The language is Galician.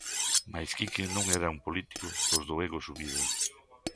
Mais Quique non era un político 'dos do ego subido'.